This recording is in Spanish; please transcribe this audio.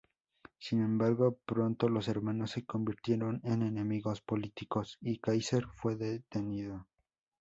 Sin embargo, pronto los hermanos se convirtieron en enemigos políticos y Kaiser fue detenido.